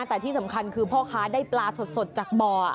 แต่ที่สำคัญคือพ่อค้าได้ปลาสดจากบ่อ